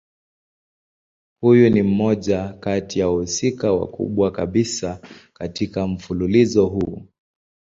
Huyu ni mmoja kati ya wahusika wakubwa kabisa katika mfululizo huu.